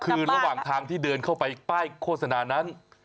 คือระหว่างทางที่เดินเข้าไปป้ายโฆษณานั้น